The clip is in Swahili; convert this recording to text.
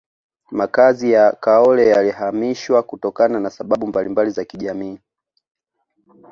makazi ya kaole yalihamishwa kutokana na sababu mbalimba za kijamii